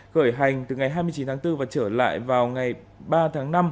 khởi hành từ ngày hai mươi chín tháng bốn và trở lại vào ngày ba tháng năm